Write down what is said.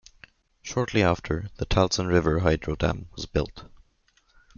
Shortly after, the Taltson River hydro dam was built.